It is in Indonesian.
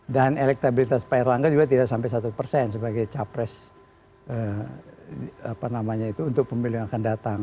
elektabilitas pak erlangga juga tidak sampai satu persen sebagai capres untuk pemilu yang akan datang